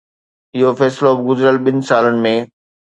اهو فيصلو به گذريل ٻن سالن ۾